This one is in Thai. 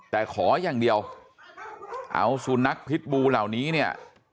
แต่ขออย่างเดียวเอาสุนัขพิษบูเหล่านี้เนี่ย